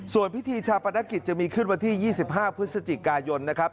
ส่วนพิธีชาปนกิจจะมีขึ้นวันที่๒๕พฤศจิกายนนะครับ